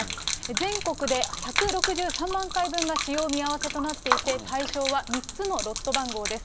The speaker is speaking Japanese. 全国で１６３万回分が使用見合わせとなっていて、対象は３つのロット番号です。